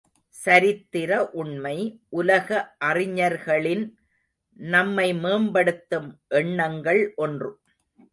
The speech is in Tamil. சரித்திர உண்மை உலக அறிஞர்களின் நம்மை மேம்படுத்தும் எண்ணங்கள் ஒன்று.